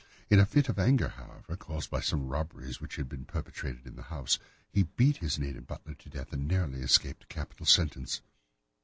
In a fit of anger, however, caused by some robberies which had been perpetrated in the house, he beat his native butler to death and narrowly escaped a capital sentence.